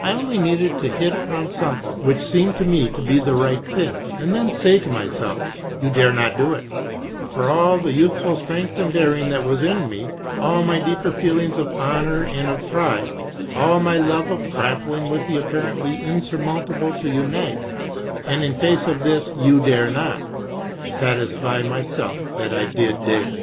I only needed to hit upcm something that seemed to me to be the right thing and then say to myself :" You dare not do it I " for all the youthful strength and daring that was in me, all my deeper feelings of honour and of pride, all my love of grappling with the apparently in surmountable to unite, and in face of this You dare not, sat isfy myself that I did dare.